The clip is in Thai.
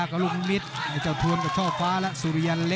ก็เจอพวกเผ็ดศรีซัวร์เข้ามาแล้วไปไม่เป็นเลย